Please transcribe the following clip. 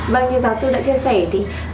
vâng như giáo sư đã chia sẻ thì